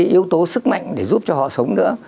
yếu tố sức mạnh để giúp cho họ sống nữa